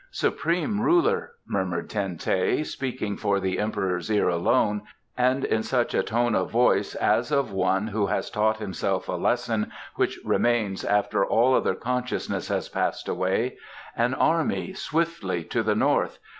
"Supreme ruler," murmured Ten teh, speaking for the Emperor's ear alone, and in such a tone of voice as of one who has taught himself a lesson which remains after all other consciousness has passed away, "an army swiftly to the north!